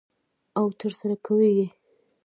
او ترسره کوي یې.